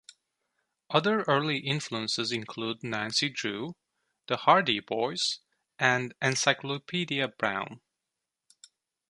Other early influences include Nancy Drew, The Hardy Boys, and "Encyclopedia Brown".